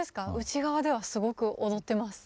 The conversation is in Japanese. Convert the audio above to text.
内側ではすごくおどってます。